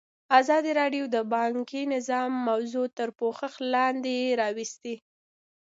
ازادي راډیو د بانکي نظام موضوع تر پوښښ لاندې راوستې.